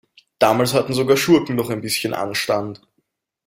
Damals hatten sogar Schurken noch ein bisschen Anstand.